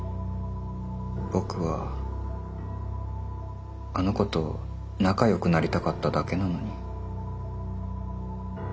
僕はあの子と仲よくなりたかっただけなのに。